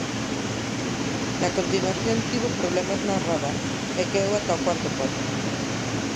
Na continuación tivo problemas na roda e caeu ata o cuarto posto.